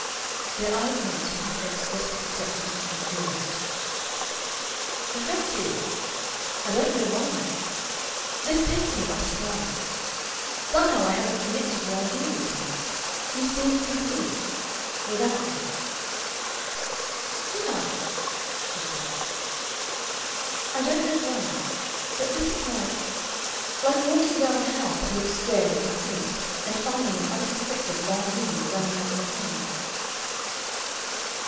Their eyes met, and his expressed perplexity and curiosity. "The fact is I don't know why this takes me by surprise. Somehow I haven't connected the idea with you. You seemed complete without that." "Did I?" she said. "I don't know why. But this is like like walking round a house that looks square and complete and finding an unexpected long wing running out behind."